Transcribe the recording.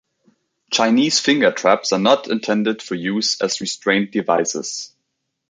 Chinese finger traps are not intended for use as restraint devices.